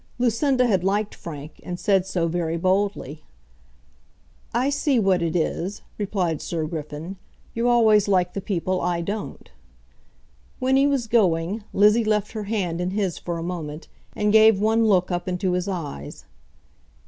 Lucinda had liked Frank, and said so very boldly. "I see what it is," replied Sir Griffin; "you always like the people I don't." When he was going, Lizzie left her hand in his for a moment, and gave one look up into his eyes.